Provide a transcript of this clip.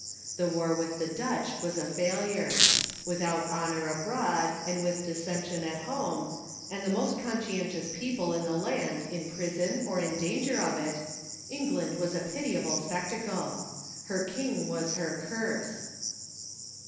The war with the Dutch was a failure. With out honor abroad, and with dissension at home, and the most conscientious people in the land in prison, or in danger of it, England was a pitiable spectacle. Her king was her curse.